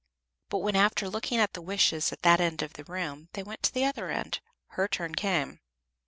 "But when, after looking at the wishes at that end of the room, they went to the other end, her turn came.